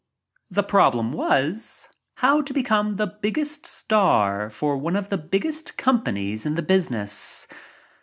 That problem was How to Be come a Star for One of the Biggest Companies in the Business.